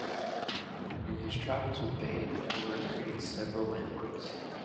In his travels with Babe, Homer creates several landmarks.